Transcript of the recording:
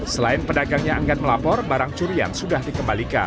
selain pedagangnya enggan melapor barang curian sudah dikembalikan